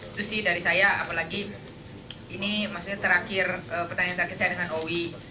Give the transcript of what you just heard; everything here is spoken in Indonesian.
itu sih dari saya apalagi ini maksudnya terakhir pertandingan terakhir saya dengan owi